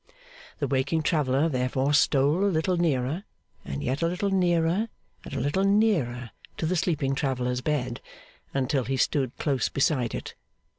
The waking traveller, therefore, stole a little nearer, and yet a little nearer, and a little nearer to the sleeping traveller's bed, until he stood close beside it.